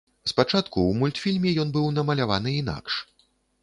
Спачатку ў мультфільме ён быў намаляваны інакш.